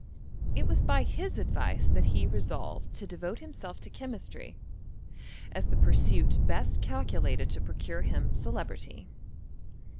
It was by his advice that he resolved to devote himself to chemistry, as the pur OF ELECTRO CHEMISTRY. 257 suit best calculated to procure him celebrity.